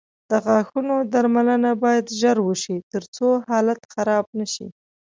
د غاښونو درملنه باید ژر وشي، ترڅو حالت خراب نه شي.